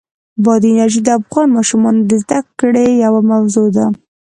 بادي انرژي د افغان ماشومانو د زده کړې یوه موضوع ده.